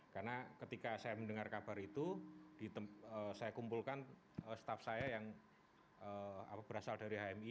karena ketika saya mendengar kabar itu saya kumpulkan staff saya yang berasal dari hmi